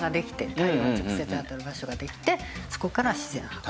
太陽が直接当たる場所ができてそこから自然発火。